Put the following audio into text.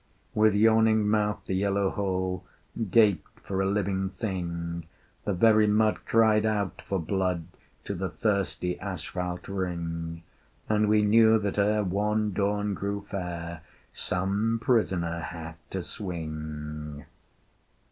With yawning mouth the yellow hole Gaped for a living thing; The very mud cried out for blood To the thirsty asphalte ring: And we knew that ere one dawn grew fair Some prisoner had to swing.